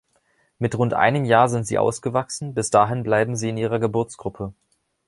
Mit rund einem Jahr sind sie ausgewachsen, bis dahin bleiben sie in ihrer Geburtsgruppe.